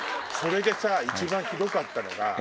それでさ一番ひどかったのが。